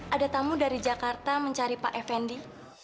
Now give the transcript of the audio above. ada tamu dari jakarta mencari pak effendi